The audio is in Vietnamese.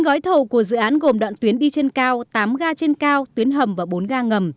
bốn gói thầu của dự án gồm đoạn tuyến đi trên cao tám ga trên cao tuyến hầm và bốn ga ngầm